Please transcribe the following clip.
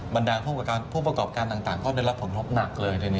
บรรดาผู้ประกอบการณ์ต่างก็ได้รับผลพลกมากเลยทีนี้